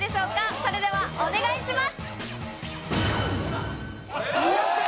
それではお願いします。